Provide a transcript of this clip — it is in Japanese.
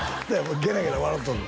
ゲラゲラ笑とるの？